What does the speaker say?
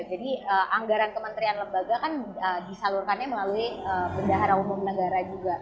jadi anggaran kementerian lembaga kan disalurkannya melalui bendahara umum negara